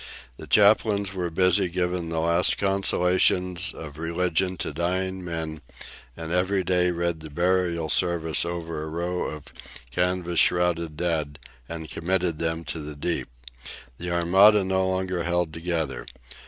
The chaplains were busy giving the last consolations of religion to dying men, and each day read the burial service over a row of canvas shrouded dead, and "committed them to the deep." The Armada no longer held together.